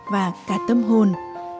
và cả tâm hồn